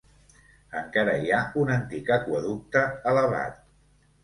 Encara hi ha un antic aqüeducte elevat.